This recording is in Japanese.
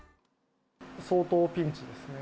相当ピンチですね。